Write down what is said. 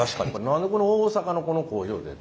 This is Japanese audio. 何で大阪のこの工場で？